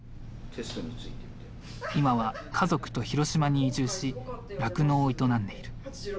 今は家族と広島に移住し酪農を営んでいる。